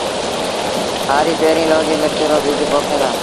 هآريٚ پيريٚݩ لونگي مرچ رو ٻج پوکين دآ